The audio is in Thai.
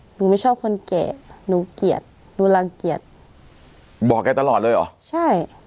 หนูไม่ชอบคนแก่หนูเกลียดหนูรังเกียจบอกแกตลอดเลยเหรอใช่